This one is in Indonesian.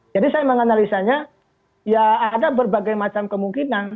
jadi saya menganalisanya ya ada berbagai macam kemungkinan